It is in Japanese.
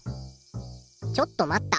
ちょっと待った！